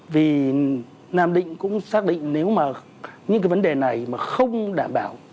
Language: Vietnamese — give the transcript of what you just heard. vì nam định cũng xác định nếu mà những vấn đề này không đảm bảo